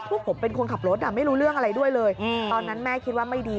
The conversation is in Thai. พวกผมเป็นคนขับรถไม่รู้เรื่องอะไรด้วยเลยตอนนั้นแม่คิดว่าไม่ดี